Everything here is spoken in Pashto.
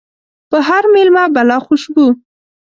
په هر ميلمه بلا خوشبو